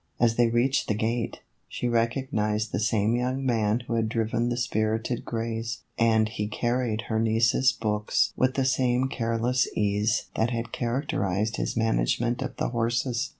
As they reached the gate, she recognized the same young man who had driven the spirited grays, and he carried her niece's books with the same careless ease that had characterized his management of the horses.